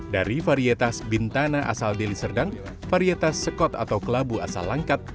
dari varietes bintana asal deliserdang varietes sekot atau kelabu asal langkat